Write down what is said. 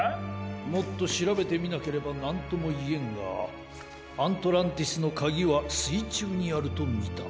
もっとしらべてみなければなんともいえんがアントランティスのかぎはすいちゅうにあるとみた。